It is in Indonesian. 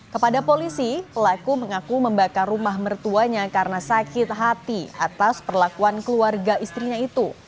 kepada polisi pelaku mengaku membakar rumah mertuanya karena sakit hati atas perlakuan keluarga istrinya itu